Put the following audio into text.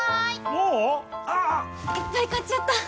もう⁉ああ・・・いっぱい買っちゃった！